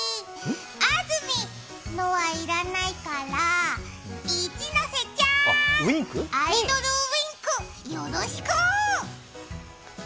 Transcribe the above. あずみのはいらないから、一ノ瀬ちゃん、アイドルウインク、よろしくぅ。